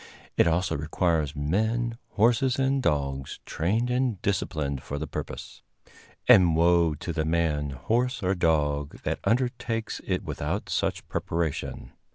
It also requires men, horses and dogs trained and disciplined for the purpose; and woe to the man, horse or dog that undertakes it without such preparation.